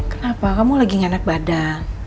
kenapa kamu lagi nyenek badan